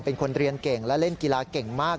เป็นคนเรียนเก่งและเล่นกีฬาเก่งมาก